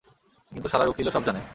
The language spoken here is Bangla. কিন্তু শালার উকিলও সব জানে।